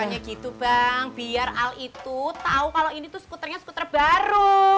misalnya gitu bang biar al itu tahu kalau ini tuh skuternya skuter baru